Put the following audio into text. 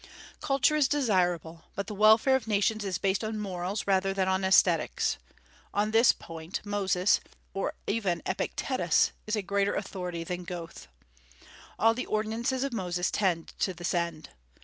Culture is desirable; but the welfare of nations is based on morals rather than on aesthetics. On this point Moses, or even Epictetus, is a greater authority than Goethe. All the ordinances of Moses tend to this end.